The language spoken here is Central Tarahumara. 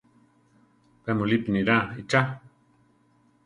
Pe mulípi niráa ichá.